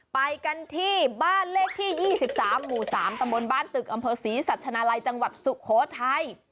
ไปกันที่บ้านเลขที่๒๓หมู่๓ตำบลบ้านตึกอำเภอศรีสัชนาลัยจังหวัดสุโขทัย